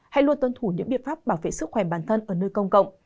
hãy luôn tuân thủ những biện pháp bảo vệ sức khỏe bản thân ở nơi công cộng